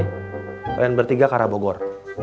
kalian bertiga karabogor